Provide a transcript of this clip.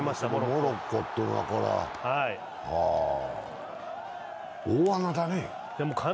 モロッコというのは大穴だね。